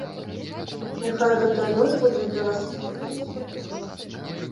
Няхай гэтая ноч будзе для вас спакойнай і святочнай.